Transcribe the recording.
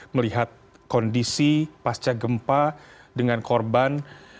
melihat kondisi pasca gempa dengan korban